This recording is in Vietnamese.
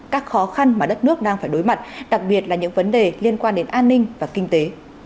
các khó khăn mà đất nước đang phải đối mặt đặc biệt là những vấn đề liên quan đến an ninh và kinh tế